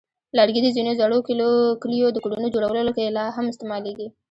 لرګي د ځینو زړو کلیو د کورونو جوړولو کې لا هم استعمالېږي.